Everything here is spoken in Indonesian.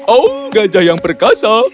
oh gajah yang berkasa